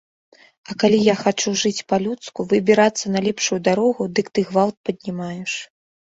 А калі я хачу жыць па-людску, выбірацца на лепшую дарогу, дык ты гвалт паднімаеш.